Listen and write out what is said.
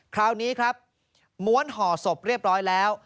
คราวนี้ครับม้วนห่อศพเรียบร้อยแล้ว